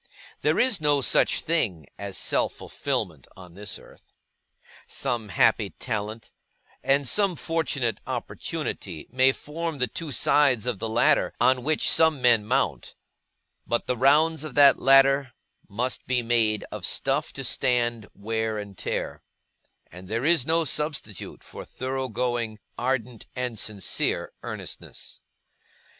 There is no such thing as such fulfilment on this earth. Some happy talent, and some fortunate opportunity, may form the two sides of the ladder on which some men mount, but the rounds of that ladder must be made of stuff to stand wear and tear; and there is no substitute for thorough going, ardent, and sincere earnestness.